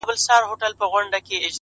o د ژوندون ساز كي ائينه جوړه كړي،